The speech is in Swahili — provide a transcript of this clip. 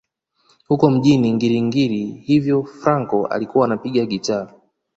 Huko mjini Ngiri Ngiri hivyo Fraco alikuwa anapiga gitaa